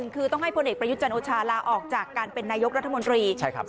คือต้องให้พลเอกประยุทธ์จันทร์โอชาลาออกจากการเป็นนายกรัฐมนตรี